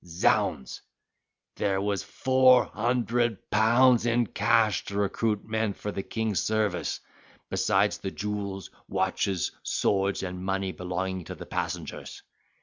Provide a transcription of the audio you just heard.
Z—s! there was £400 in cash to recruit men for the king's service, besides the jewels, watches, swords, and money belonging to the passengers.